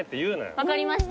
分かりました。